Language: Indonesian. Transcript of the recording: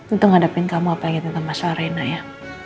untuk menghadapi kamu apalagi tentang masalah reina ya